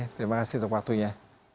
terima kasih untuk waktunya